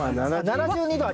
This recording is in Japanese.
７２度！